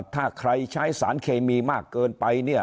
ถ้าใครใช้สารเคมีมากเกินไปเนี่ย